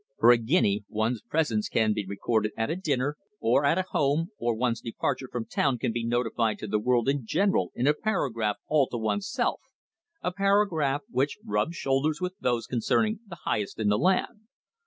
For a guinea one's presence can be recorded at a dinner, or an at home, or one's departure from town can be notified to the world in general in a paragraph all to one's self a paragraph which rubs shoulders with those concerning the highest in the land.